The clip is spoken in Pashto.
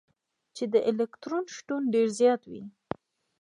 چي د الکترون شتون ډېر زيات وي.